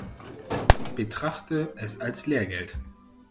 Betrachte es als Lehrgeld.